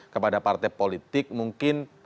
kepada partai politik mungkin